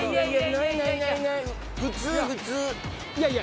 いやいや。